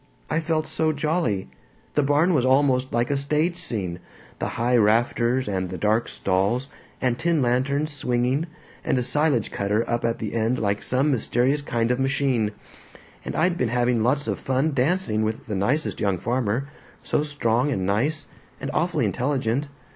I felt so jolly. The barn was almost like a stage scene the high rafters, and the dark stalls, and tin lanterns swinging, and a silage cutter up at the end like some mysterious kind of machine. And I'd been having lots of fun dancing with the nicest young farmer, so strong and nice, and awfully intelligent.